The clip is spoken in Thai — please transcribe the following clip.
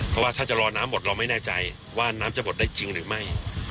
เพราะว่าถ้าจะรอน้ำหมดเราไม่แน่ใจว่าน้ำจะหมดได้จริงหรือไม่